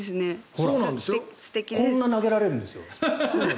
こんなに投げられるんですよ。